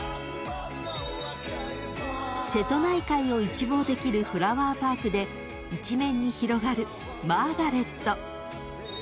［瀬戸内海を一望できるフラワーパークで一面に広がるマーガレット］